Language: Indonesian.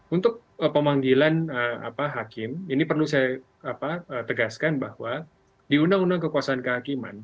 untuk pemanggilan hakim ini perlu saya tegaskan bahwa di undang undang kekuasaan kehakiman